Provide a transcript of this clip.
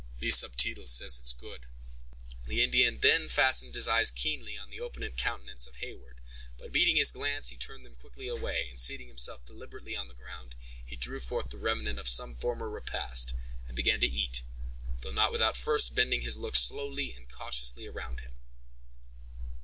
"Le Subtil says it is good." The Indian then fastened his eyes keenly on the open countenance of Heyward, but meeting his glance, he turned them quickly away, and seating himself deliberately on the ground, he drew forth the remnant of some former repast, and began to eat, though not without first bending his looks slowly and cautiously around him.